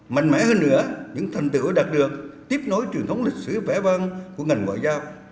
mạnh mẽ hơn nữa những thành tựu đạt được tiếp nối truyền thống lịch sử vẽ vang của ngành ngoại giao